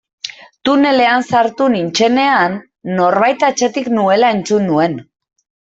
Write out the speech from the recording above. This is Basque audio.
Tunelean sartu nintzenean norbait atzetik nuela entzun nuen.